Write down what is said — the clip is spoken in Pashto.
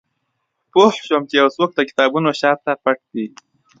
پوه شوم چې یو څوک د کتابونو شاته پټ دی